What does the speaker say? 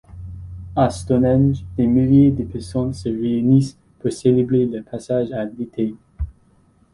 À Stonehenge, des milliers de personnes se réunissent pour célébrer le passage à l'été.